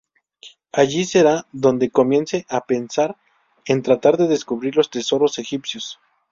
Allí será donde comience a pensar en tratar de descubrir los tesoros egipcios.